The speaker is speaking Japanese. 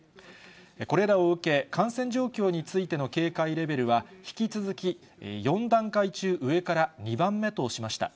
これらを受け、感染状況についての警戒レベルは引き続き、４段階中、上から２番目としました。